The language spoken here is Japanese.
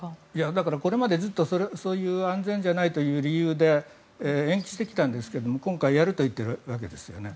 だからこれまでずっと安全じゃないという理由で延期してきたんですが今回やると言っているわけですよね。